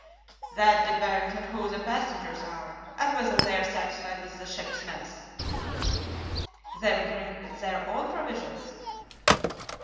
"That depends on who the passengers are, and whether they are satisfied with the ship's mess." "They would bring their own provisions."